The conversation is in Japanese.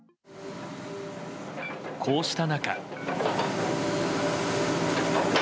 こうした中。